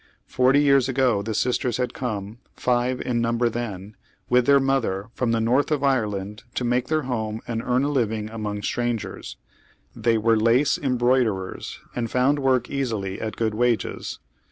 Forty years ago the sisters had come, five in number then, with their mother, from the INorth of Ireland to make their home and earn a living among strangere. They were lace em broiderers and found work easily at good wages.